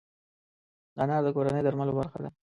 انار د کورني درملو برخه ده.